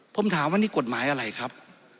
ผมถามว่านี่กฎหมายอะไรครับ